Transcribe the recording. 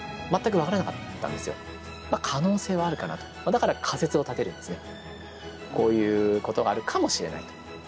だから仮説を立てるんですね。